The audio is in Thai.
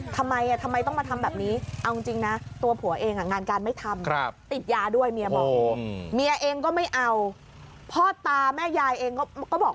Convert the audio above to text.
ทำไมทำไมต้องมาทำแบบนี้เอาจริงนะตัวผัวเองงานการไม่ทำติดยาด้วยเมียบอก